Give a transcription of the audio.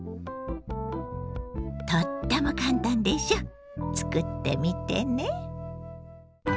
とっても簡単でしょ作ってみてね。